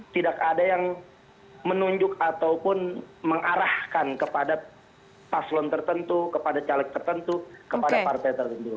tidak ada yang menunjuk ataupun mengarahkan kepada paslon tertentu kepada caleg tertentu kepada partai tertentu